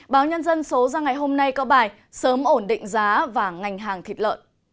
báo nhân dân số ra ngày hôm nay có bài sớm ổn định giá và ngành hàng thịt lợn